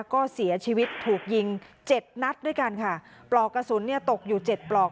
ก็เสียชีวิตถูกยิงเจ็ดนัดด้วยกันค่ะปลอกกระสุนเนี่ยตกอยู่เจ็ดปลอก